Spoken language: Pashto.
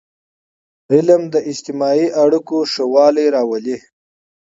علم د اجتماعي اړیکو ښهوالی راولي.